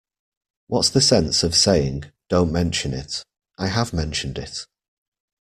What's the sense of saying, 'Don't mention it'? I have mentioned it.